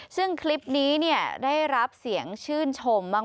ซึ่งคลิปนี้ได้รับเสียงชื่นชมมาก